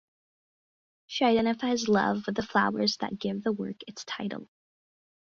She identifies love with the flowers that give the work its title.